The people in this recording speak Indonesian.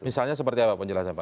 misalnya seperti apa penjelasan pak